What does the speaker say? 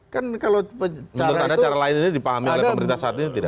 menurut anda cara lainnya dipahami oleh pemerintah saat ini atau tidak